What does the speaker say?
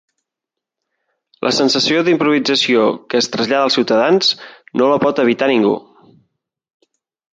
La sensació d’improvisació que es trasllada als ciutadans no la pot evitar ningú.